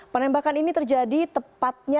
penembakan ini terjadi tepatnya